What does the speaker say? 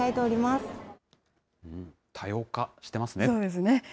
そうですね。